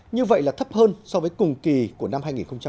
như vậy là thấp hơn so với cùng kỳ của năm hai nghìn một mươi chín